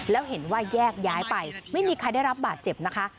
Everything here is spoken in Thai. แล้วเห็นว่าแยกย้ายไปไม่มีใครได้รับบาดเจ็บนะคะ